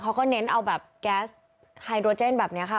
เขาก็เน้นเอาแบบแก๊สไฮโดรเจนแบบนี้ค่ะ